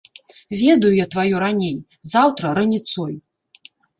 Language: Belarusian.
Ведаю я тваё раней, заўтра раніцой.